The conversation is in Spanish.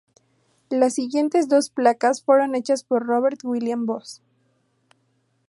Las siguientes dos placas fueron hechas por Robert William Buss.